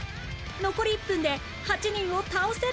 残り１分で８人を倒せるのか？